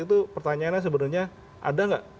itu pertanyaannya sebenarnya ada nggak